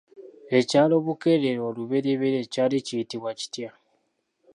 Ekyalo Bukeerere olubereberye kyali kiyitibwa kitya?